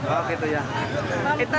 oh gitu ya